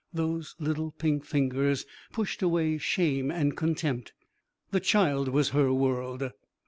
Those little pink fingers pushed away shame and contempt. The child was her world.